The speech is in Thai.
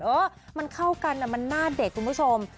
เออมันเข้ากันมันหน้าเด็กคุณผู้ชม